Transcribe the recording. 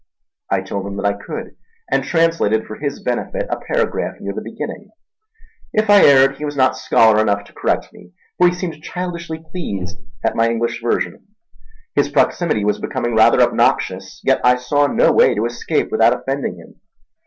I told him that I could, and translated for his benefit a paragraph near the beginning. If I erred, he was not scholar enough to correct me; for he seemed childishly pleased at my English version. His proximity was becoming rather obnoxious, yet I saw no way to escape without offending him.